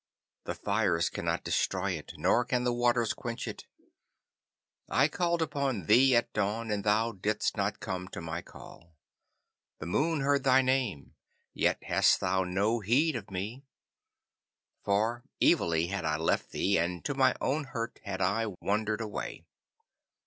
The fires cannot destroy it, nor can the waters quench it. I called on thee at dawn, and thou didst not come to my call. The moon heard thy name, yet hadst thou no heed of me. For evilly had I left thee, and to my own hurt had I wandered away.